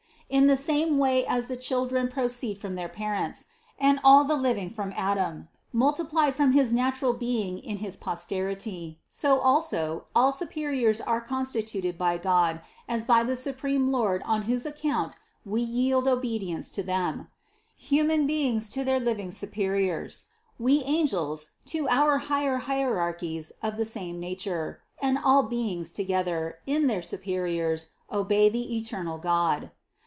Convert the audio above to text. In the same way as the children proceed from their parents, and 10 INTRODUCTION all the living from Adam, multiplied from his natural being in his posterity; so also all superiors are consti tuted by God as by the supreme Lord on whose account we yield obedience to them ; human beings to their living su periors, we angels to our higher hierarchies of the same nature, and all beings together, in their superiors, obey the eternal God.